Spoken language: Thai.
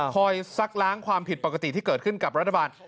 ซักล้างความผิดปกติที่เกิดขึ้นกับรัฐบาล